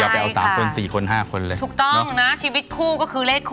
มีประสบการณ์ตรงตัวเองมาใช้เลย